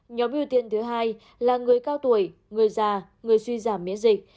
nhóm ưu tiên thứ hai là người cao tuổi người già người suy giảm miễn dịch